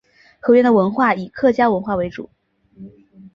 河源的文化以客家文化为主。